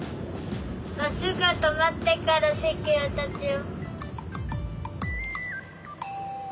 バスがとまってからせきをたつよ。